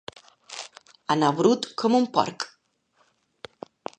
Anar brut com un porc.